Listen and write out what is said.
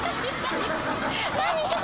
何？